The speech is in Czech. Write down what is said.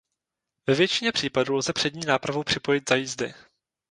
Ve většině případů lze přední nápravu připojit za jízdy.